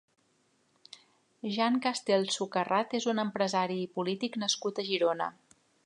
Jean Castel Sucarrat és un empresari i polític nascut a Girona.